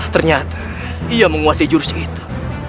ternyata ia menguasai jursi itu